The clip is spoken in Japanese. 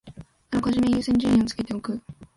あらかじめ優先順位をつけておく